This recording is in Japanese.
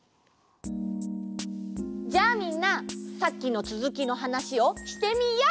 じゃあみんなさっきのつづきのはなしをしてみよう！